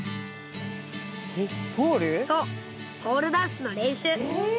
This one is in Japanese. そうポールダンスの練習。